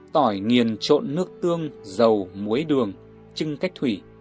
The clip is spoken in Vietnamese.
tỏi nghiền trộn nước tương dầu muối đường trưng cách thủy